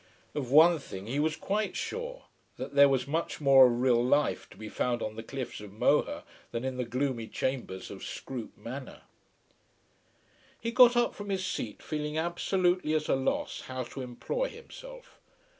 Of one thing he was quite sure, that there was much more of real life to be found on the cliffs of Moher than in the gloomy chambers of Scroope Manor. He got up from his seat feeling absolutely at a loss how to employ himself.